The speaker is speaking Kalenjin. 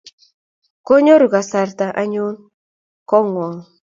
Kanyoru kasarta anyon kong'wong'